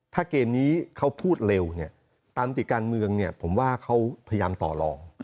ถ้าเกมนี้เขาพูดเร็วตามติดการเมืองผมว่าเขาพยายามต่อลอง